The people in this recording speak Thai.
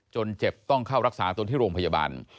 เจ็บต้องเข้ารักษาตัวที่โรงพยาบาล